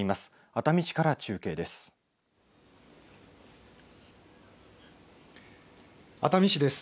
熱海市から中継です。